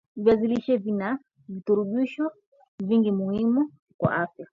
viazi lishe vina virutubisho vingi muhimi kwa afya